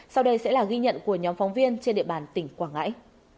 sau đây sẽ là ghi nhận của nhóm phóng viên trên địa bàn tỉnh quảng ngãi